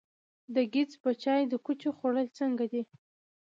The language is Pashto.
د ګیځ په چای د کوچو خوړل څنګه دي؟